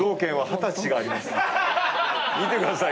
見てください